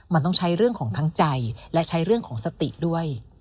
มันต้องใช้เรื่องของทั้งใจและใช้เรื่องของสติด้วย